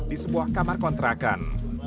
di sebuah kamar kontrakan